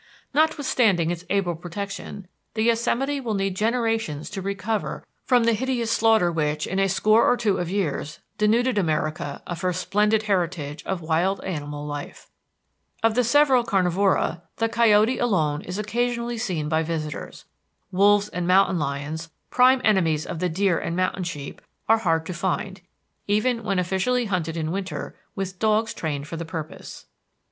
Notwithstanding its able protection, the Yosemite will need generations to recover from the hideous slaughter which, in a score or two of years, denuded America of her splendid heritage of wild animal life. Of the several carnivora, the coyote alone is occasionally seen by visitors. Wolves and mountain lions, prime enemies of the deer and mountain sheep, are hard to find, even when officially hunted in the winter with dogs trained for the purpose.